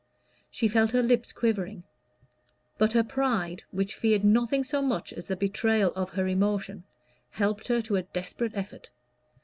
She felt her lips quivering; but her pride, which feared nothing so much as the betrayal of her emotion, helped her to a desperate effort.